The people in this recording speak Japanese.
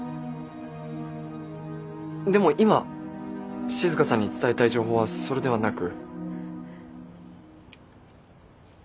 でも今静さんに伝えたい情報はそれではなく。